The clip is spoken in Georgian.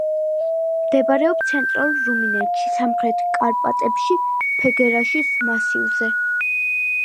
მდებარეობს ცენტრალურ რუმინეთში, სამხრეთ კარპატებში, ფეგერაშის მასივზე.